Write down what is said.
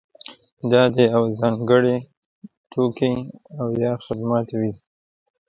دا د یوه ځانګړي توکي او یا خدمت وي.